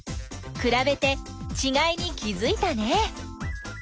くらべてちがいに気づいたね。